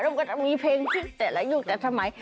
มันก็จะมีเพลงที่แต่ละยุคแต่สมัย